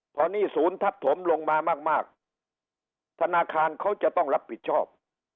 พอหนี้ศูนย์ทับถมลงมามากธนาคารเขาจะต้องรับผิดชอบ